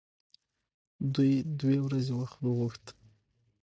دوی دوې ورځې وخت وغوښت.